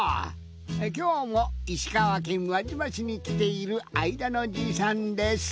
きょうも石川県輪島市にきているあいだのじいさんです。